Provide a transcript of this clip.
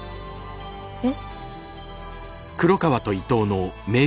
えっ？